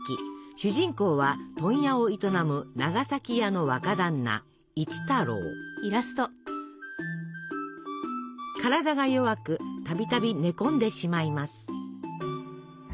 主人公は問屋を営む体が弱く度々寝込んでしまいます。